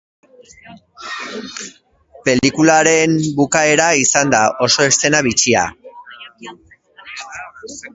Pelikularen bukaera izan da, oso eszena bitxia.